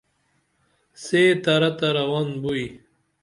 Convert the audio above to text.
سے ترہ تہ رون بوئی